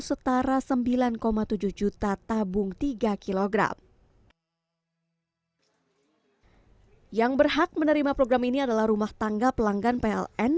setara sembilan tujuh juta tabung tiga kg yang berhak menerima program ini adalah rumah tangga pelanggan pln